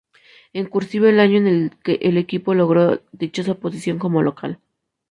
En "cursiva" el año en el que el equipo logró dicha posición como local.